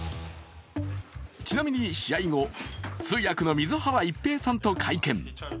ちなみに試合後通訳の水原一平さんと会見。